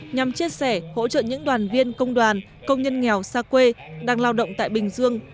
nhằm chia sẻ hỗ trợ những đoàn viên công đoàn công nhân nghèo xa quê đang lao động tại bình dương